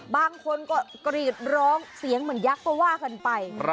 บางคนก็กรีดร้องเสียงเหมือนยักษ์ก็ว่ากันไป